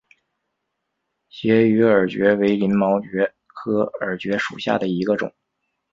斜羽耳蕨为鳞毛蕨科耳蕨属下的一个种。